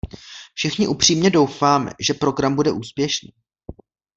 Všichni upřímně doufáme, že program bude úspěšný.